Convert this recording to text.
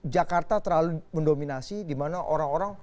jakarta terlalu mendominasi di mana orang orang